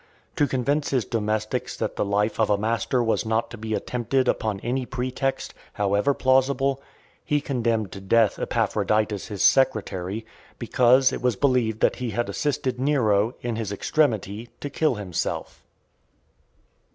To convince his domestics that the life of a master was not to be attempted upon any pretext, however plausible, he condemned to death Epaphroditus his secretary, because it was believed that he had assisted Nero, in his extremity, to kill himself.